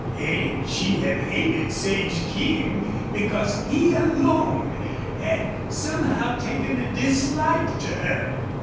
And she had hated Sage King because he alone had somehow taken a dislike to her.